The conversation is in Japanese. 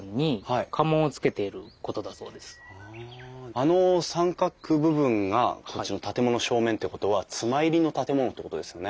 あの三角部分がこっちの建物の正面ってことは妻入りの建物ってことですよね？